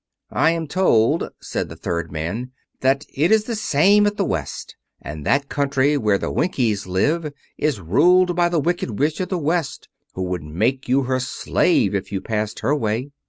"I am told," said the third man, "that it is the same at the West. And that country, where the Winkies live, is ruled by the Wicked Witch of the West, who would make you her slave if you passed her way."